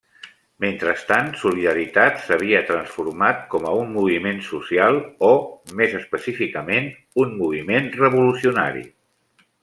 Mentrestant, Solidaritat s'havia transformat com a un moviment social o, més específicament, un moviment revolucionari.